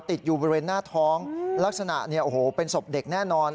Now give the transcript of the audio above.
ติดอยู่บริเวณหน้าท้องลักษณะเนี่ยโอ้โหเป็นศพเด็กแน่นอน